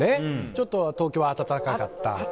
ちょっと東京は暖かかった。